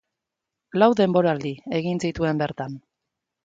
Lau denboraldi egin zituen bertan.